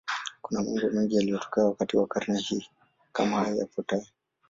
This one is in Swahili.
Kuna mambo mengi yaliyotokea wakati wa karne hii, kama haya yafuatayo.